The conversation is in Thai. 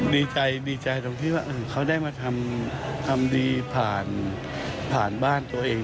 ดีใจดีใจตรงที่ว่าเขาได้มาทำดีผ่านบ้านตัวเอง